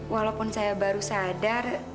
walaupun saya baru sadar